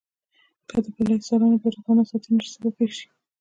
که د بالا حصارونو بیا رغونه او ساتنه ونشي څه به پېښ شي.